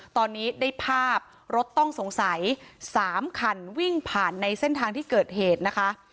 ตอนนี้ได้ภาพรถต้องสงสัย๓คันวิ่งผ่านในเส้นทางที่เกิดเหตุนะคะ